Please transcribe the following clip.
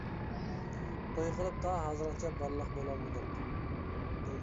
توي قىلىپ تا ھازىرغىچە بالىلىق بولالمىدۇق.